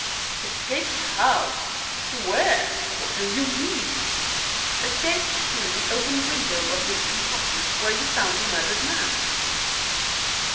"Escaped how? Where? What do you mean?" "Escaped through the open window of the compartment where you found the murdered man."